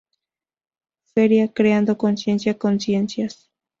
Feria Creando Conciencia con Ciencias.